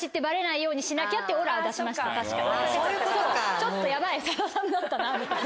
ちょっとヤバい佐田さんだったなみたいな。